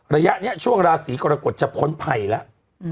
ระยะนี้ช่วงราศีกรกฎจะพ้นภัยแล้ว